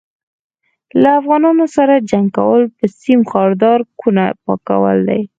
له افغانانو سره جنګ کول په سيم ښاردار کوونه پاکول دي